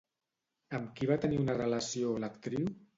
Amb qui va tenir una relació l'actriu?